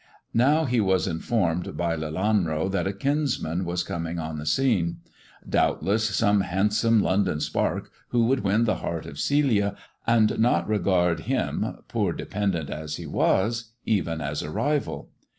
Now he was informed by Lelanro that a kinsman was coming on the scene. Doubtless, some handsome London spark, who would win the heart of Celia, and not regard him, poor dependent as he was, even as a rival.